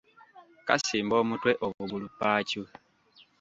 Kasimba omutwe obugulu paacu?